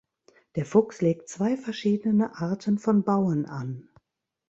Der Fuchs legt zwei verschiedene Arten von Bauen an.